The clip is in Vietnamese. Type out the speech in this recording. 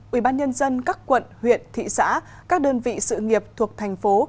ubnd các quận huyện thị xã các đơn vị sự nghiệp thuộc thành phố